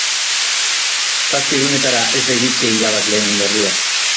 Zazpi egunetara ez da iritsi irabazleen jarduna.